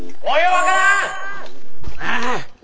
分からん！